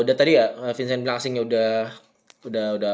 udah tadi ya vincent bilang asingnya udah